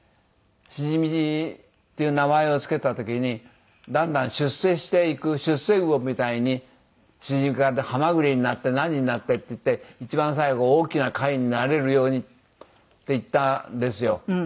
しじみっていう名前をつけた時にだんだん出世していく出世魚みたいにしじみからハマグリになって何になってっていって一番最後大きな貝になれるようにっていったんですよ。